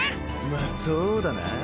まっそうだな。